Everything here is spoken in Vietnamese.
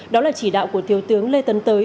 đó là chỉ đạo của thiếu tướng lê tấn tới